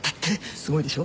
すごいでしょ？